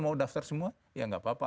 mau daftar semua ya nggak apa apa